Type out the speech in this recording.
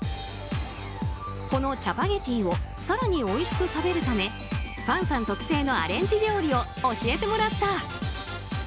このチャパゲティを更においしく食べるためファンさん特製のアレンジ料理を教えてもらった。